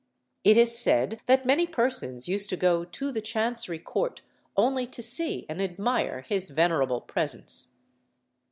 It is said that many persons used to go to the Chancery Court only to see and admire his venerable presence.